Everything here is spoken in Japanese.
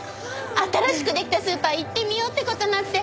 新しく出来たスーパー行ってみようって事になって。